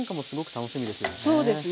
そうですね。